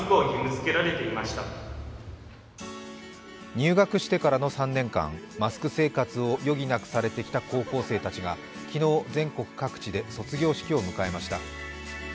入学してからの３年間、マスク生活を余儀なくされてきた高校生たちが昨日、全国各地で卒業式を迎えました。